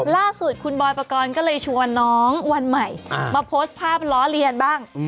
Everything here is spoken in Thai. ล่าสุดคุณบอร์ดประกอลก็เลยชวนน้องวันใหม่มาโพสภาพร้อเรียนบ้าง